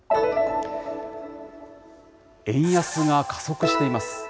円安が加速しています。